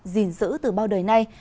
gìn giữ từ bao đời nay